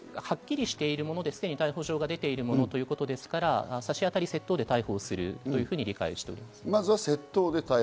はっきりしているもので、すでに逮捕状が出ているものですから、差し当たり窃盗で逮捕するというふうに理解しています。